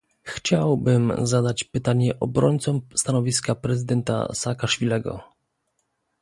Chciałbym zadać pytanie obrońcom stanowiska prezydenta Saakaszwilego